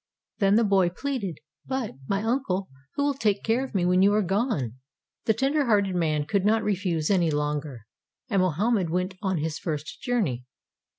Then the boy pleaded, "But, my uncle, who will take care of me when you are gone?" The tender hearted man could not refuse any longer, and Mohammed went on his first journey.